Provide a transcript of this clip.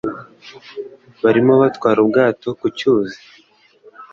Barimo batwara ubwato ku cyuzi.